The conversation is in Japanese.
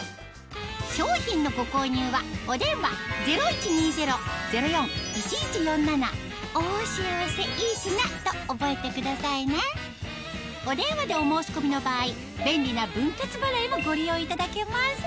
商品のご購入はお電話０１２０−０４−１１４７と覚えてくださいねお電話でお申し込みの場合便利な分割払いもご利用いただけます